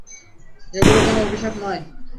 এগুলো কোনো অভিশাপ নয়।